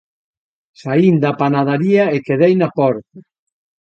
Saín da panadaría e quedei na porta.